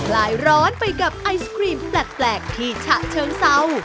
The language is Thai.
ลายร้อนไปกับไอศครีมแปลกที่ฉะเชิงเศร้า